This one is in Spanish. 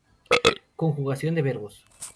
Conjugación de verbos.